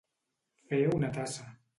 Fer una tassa.